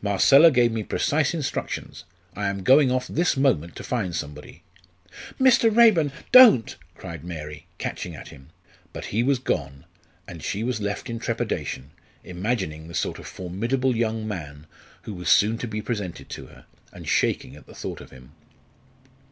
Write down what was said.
Marcella gave me precise instructions. I am going off this moment to find somebody." "Mr. Raeburn don't!" cried Mary, catching at him. But he was gone, and she was left in trepidation, imagining the sort of formidable young man who was soon to be presented to her, and shaking at the thought of him.